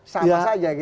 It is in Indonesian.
sama saja gitu